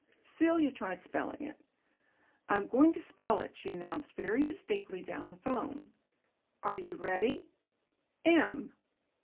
Celia tried spelling it. "I'm going to spell it," she announced very distinctly down the telephone. "Are you ready? ... M